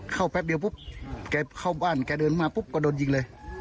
แป๊บเดียวปุ๊บแกเข้าบ้านแกเดินมาปุ๊บก็โดนยิงเลย